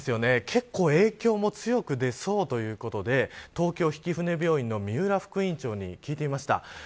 結構、影響も強く出そうということで東京曳舟病院の三浦副院長に聞いてみました。